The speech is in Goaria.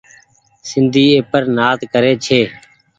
سندي اي پر نآز ڪري ڇي ۔